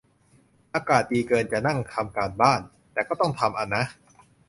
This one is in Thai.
อากาศดีเกินจะนั่งทำการบ้าน แต่ก็ต้องทำอ่ะนะ